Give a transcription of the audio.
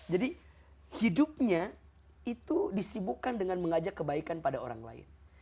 jadi hidupnya itu disibukan dengan mengajak kebaikan pada orang lain